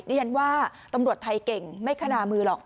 เรียนว่าตำรวจไทยเก่งไม่คณามือหรอก